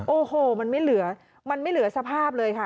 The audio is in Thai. โอ้โหมันไม่เหลือสภาพเลยค่ะ